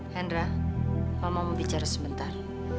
hendra kalau mau bicara sebentar